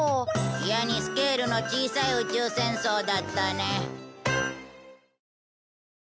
いやにスケールの小さい宇宙戦争だったね。